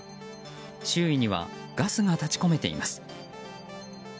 周囲にはガスが立ち込めています。